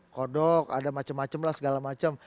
kodok ada macem macem lah segala macem